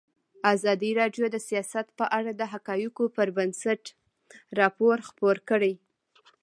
ازادي راډیو د سیاست په اړه د حقایقو پر بنسټ راپور خپور کړی.